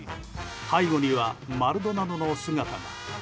背後にはマルドナドの姿が。